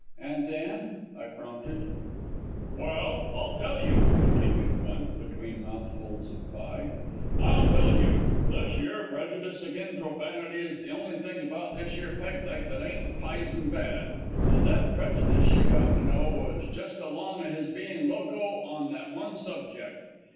"And then?" I prompted. "Well, I'll tell you," continued Bunt, between mouthfuls of pie, "I'll tell you. This yere prejudice agin profanity is the only thing about this yere Peg leg that ain't pizen bad, an' that prejudice, you got to know, was just along o' his being loco on that one subjeck.